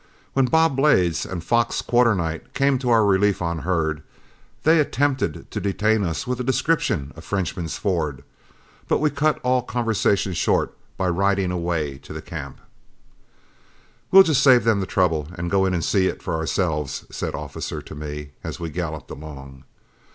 When Bob Blades and Fox Quarternight came to our relief on herd, they attempted to detain us with a description of Frenchman's Ford, but we cut all conversation short by riding away to camp. "We'll just save them the trouble, and go in and see it for ourselves," said Officer to me, as we galloped along.